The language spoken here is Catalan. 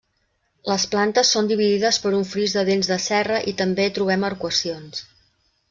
Les plantes són dividides per un fris de dents de serra i també trobem arcuacions.